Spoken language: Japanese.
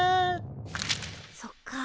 そっか。